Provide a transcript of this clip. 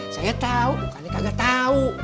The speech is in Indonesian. saya tau bukannya kagak tau